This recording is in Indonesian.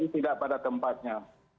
jadi tidak pada tempatnya